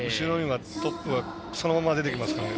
トップがそのまま出てきますからね。